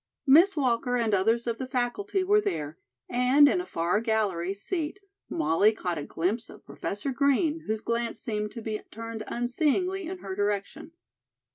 Miss Walker and others of the faculty were there, and in a far gallery seat Molly caught a glimpse of Professor Green, whose glance seemed to be turned unseeingly in her direction.